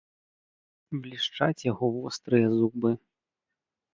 Блішчаць яго вострыя зубы.